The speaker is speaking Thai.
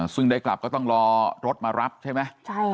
ซึ่งได้กลับก็ต้องรอรถมารับใช่ไหม